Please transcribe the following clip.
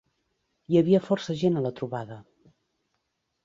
Hi havia força gent, a la trobada.